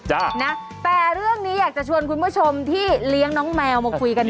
นะแต่เรื่องนี้อยากจะชวนคุณผู้ชมที่เลี้ยงน้องแมวมาคุยกัน